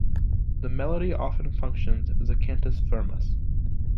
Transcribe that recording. The melody often functions as a cantus firmus.